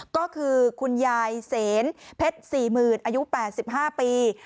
ก็คือคุณยายเสนเพชร๔๐๐๐อายุ๘๕ปี